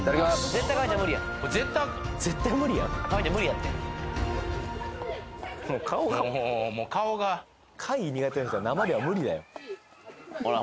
絶対神ちゃん無理やこれ絶対絶対無理やん神ちゃん無理やってもう顔がもう顔が貝苦手な人は生では無理だよほら